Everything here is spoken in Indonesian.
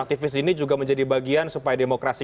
aktivis ini juga menjadi bagian supaya demokrasi